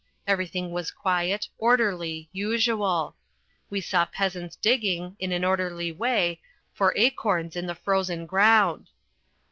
Everything was quiet, orderly, usual. We saw peasants digging in an orderly way for acorns in the frozen ground.